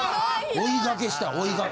・追いがけした追いがけ。